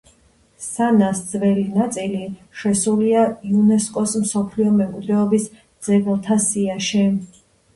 სანას ძველი ნაწილი შესულია იუნესკოს მსოფლიო მემკვიდრეობის ძეგლთა სიაში.